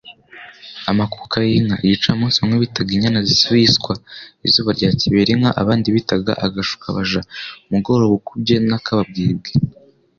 AMAKUKA Y'INKA, IGICAMUNSI BAMWE BITAGA INYANA ZISUBIYE ISWA, IZUBA RYA KIBERINKA ABANDI BITAGA AGASHUKABAJA ,UMUGOROBA UKUBYE N'AKABWIBWI.